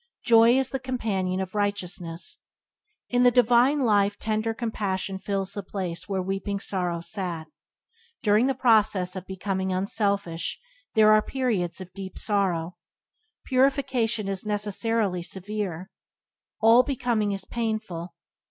Joy is the companion of righteousness. In the divine life tender compassion fills the place where weeping sorrow sat. During the process of becoming unselfish there are periods of deep sorrow. Purification is necessarily severe. All becoming is painful.